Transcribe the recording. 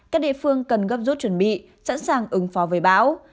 các địa phương cần gấp rút chuẩn bị sẵn sàng ứng phó với bão